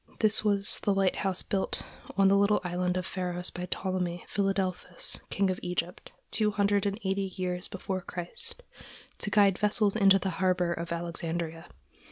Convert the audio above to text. This was the lighthouse built on the little island of Pharos by Ptolemy Philadelphus, king of Egypt, two hundred and eighty years before Christ, to guide vessels into the harbor of Alexandria.